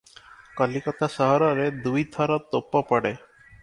କଲିକତା ସହରରେ ଦୁଇ ଥର ତୋପ ପଡ଼େ ।